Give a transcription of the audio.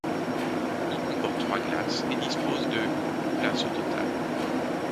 Il comporte trois glaces et dispose de places au total.